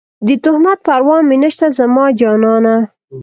د تهمت پروا مې نشته زما جانانه